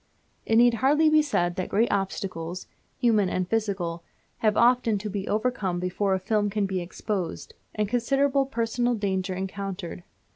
It need hardly be said that great obstacles, human and physical, have often to be overcome before a film can be exposed; and considerable personal danger encountered.